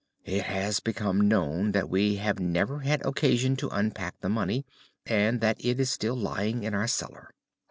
It has become known that we have never had occasion to unpack the money, and that it is still lying in our cellar.